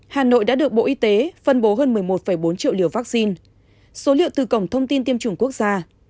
hà nội đã được bộ y tế phân bố hơn một mươi một bốn triệu liều vaccine số liệu từ cổng thông tin tiêm chủng quốc gia